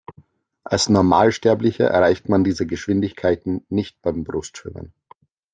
Als Normalsterblicher erreicht man diese Geschwindigkeiten nicht beim Brustschwimmen.